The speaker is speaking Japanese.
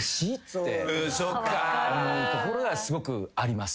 思うところがすごくあります。